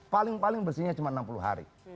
paling paling bersihnya cuma enam puluh hari